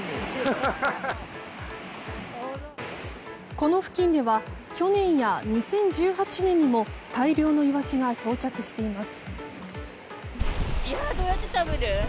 この付近では去年や２０１８年にも大量のイワシが漂着しています。